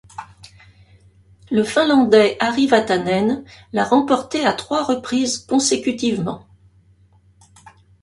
Le finlandais Ari Vatanen l'a remporté à trois reprises consécutivement.